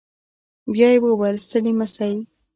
بيا يې وويل ستړي مه سئ.